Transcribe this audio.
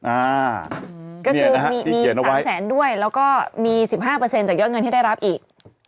อ่าก็คือมี๓เสนด้วยแล้วก็มี๑๕จากยอดเงินที่ได้รับอีก